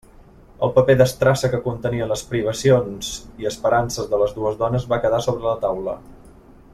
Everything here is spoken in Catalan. El paper d'estrassa que contenia les privacions i esperances de les dues dones va quedar sobre la taula.